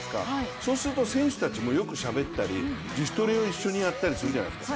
そうすると選手たちもよくしゃべったり、自主トレを一緒にやったりするじゃないですか。